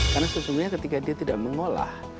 karena sesungguhnya ketika dia tidak mengolah